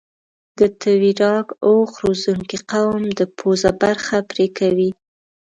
د تویراګ اوښ روزنکي قوم د پوزه برخه پرې کوي.